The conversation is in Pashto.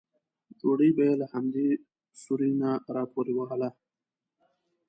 ډوډۍ به یې له همدې سوري نه راپورې وهله.